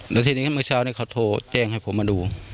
แล้วทีนี้เมื่อเช้านี้เขาโทรแจ้งให้ผมมาดู